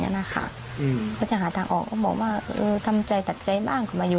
เพิ่งรู้จักเมื่อวานด้วย